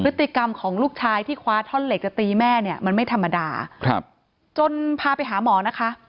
พฤติกรรมของลูกชายที่คว้าท่อนเหล็กจะตีแม่เนี่ยมันไม่ธรรมดาครับจนพาไปหาหมอนะคะ